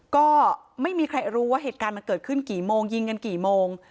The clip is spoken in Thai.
ก็ไม่มีใครรู้ว่าเหตุการณ์มันเกิดขึ้นกี่โมงยิงกันกี่โมง